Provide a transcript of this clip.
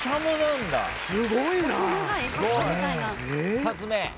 ２つ目。